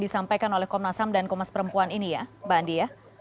disampaikan oleh komnas ham dan komnas perempuan ini ya mbak andi ya